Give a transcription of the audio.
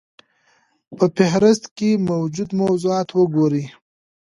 په فهرست کې موجود موضوعات وګورئ.